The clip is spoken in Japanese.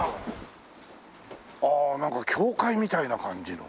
ああなんか教会みたいな感じの。